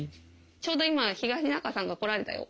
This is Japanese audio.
ちょうど今東仲さんが来られたよ。